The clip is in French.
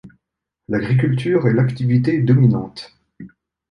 L’agriculture est l’activité dominante.